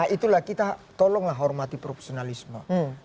itulah kita tolonglah hormati profesionalisme